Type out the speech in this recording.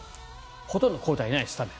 ほとんど交代ないですスタメン。